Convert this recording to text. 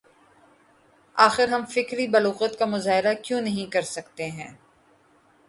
آخر ہم فکری بلوغت کا مظاہرہ کیوں نہیں کر سکتے ہیں؟